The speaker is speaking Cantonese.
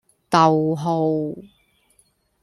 逗號